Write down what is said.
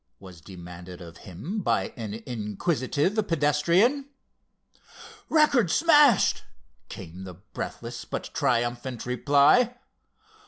was demanded of him by an inquisitive pedestrian. "Record smashed!" came the breathless but triumphant reply.